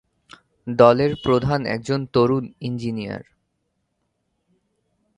দলের প্রধান একজন তরুণ ইঞ্জিনিয়ার।